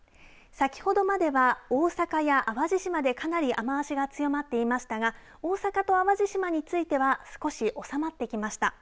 先ほどまでは大阪や淡路島でかなり雨足が強まっていましたが大阪と淡路島については少し収まってきました。